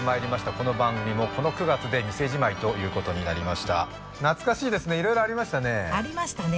この番組もこの９月で店じまいということになりました懐かしいですね色々ありましたねありましたね